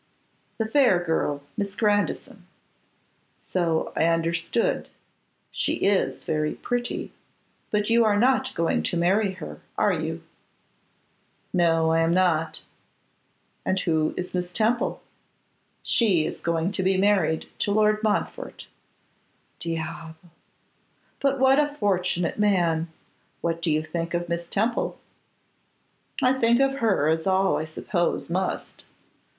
'The fair girl; Miss Grandison.' 'So I understood. She is very pretty, but you are not going to marry her, are you?' 'No; I am not.' 'And who is Miss Temple?' 'She is going to be married to Lord Montfort.' 'Diable! But what a fortunate man! What do you think of Miss Temple?' 'I think of her as all, I suppose, must.